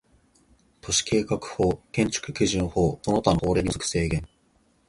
都市計画法、建築基準法その他の法令に基づく制限